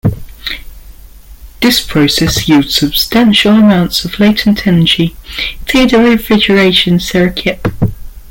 This process yields substantial amounts of latent energy to the refrigeration circuit.